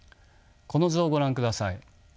この図をご覧ください。